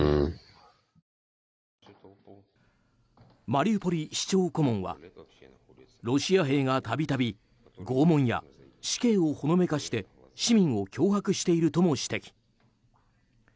マリウポリ市長顧問はロシア兵が度々拷問や死刑をほのめかして市民を脅迫しているとも指摘。